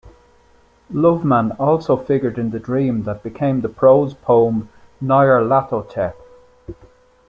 Loveman also figured in the dream that became the prose poem "Nyarlathotep".